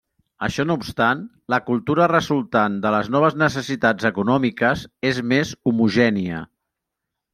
Això no obstant, la cultura resultant de les noves necessitats econòmiques és més homogènia.